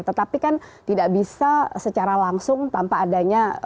tetapi kan tidak bisa secara langsung tanpa adanya